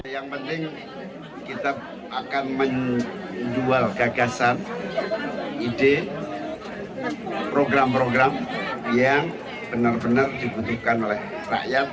yang penting kita akan menjual gagasan ide program program yang benar benar dibutuhkan oleh rakyat